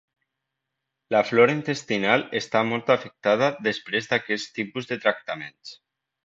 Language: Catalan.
La flora intestinal està molt afectada després d'aquest tipus de tractaments.